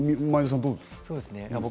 前田さん、どうですか？